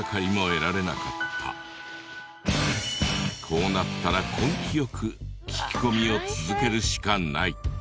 こうなったら根気よく聞き込みを続けるしかない。